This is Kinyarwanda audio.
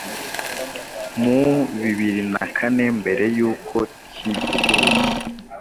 muri bbiri na kane mbere yuko kivugururwa